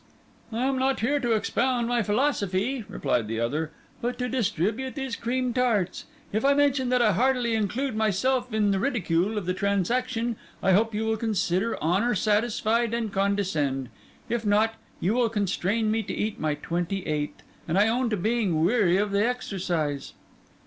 "I am not here to expound my philosophy," replied the other, "but to distribute these cream tarts. If I mention that I heartily include myself in the ridicule of the transaction, I hope you will consider honour satisfied and condescend. If not, you will constrain me to eat my twenty eighth, and I own to being weary of the exercise."